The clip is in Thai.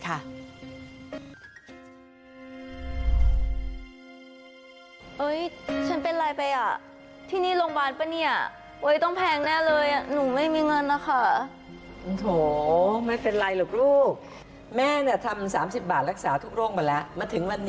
ยกระดับค่ะเป็น๓๐บาทพลัสสุขภาพดีทั่วหน้าค่ะ